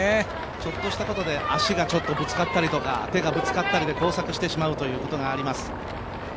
ちょっとしたことで足がぶつかったりとか手がぶつかったりで交錯してしまうということがよくあります。